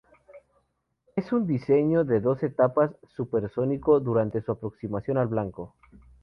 Es un diseño de dos etapas, supersónico durante su aproximación al blanco.